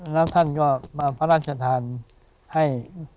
แล้วท่านก็มาพระราชทานให้